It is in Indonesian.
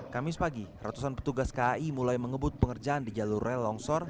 kamis pagi ratusan petugas kai mulai mengebut pengerjaan di jalur rel longsor